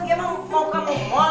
emang mau ke mall